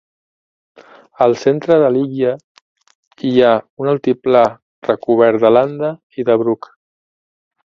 Al centre de l'illa hi ha un altiplà recobert de landa i de bruc.